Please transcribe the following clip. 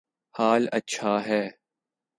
حال اچھا ہے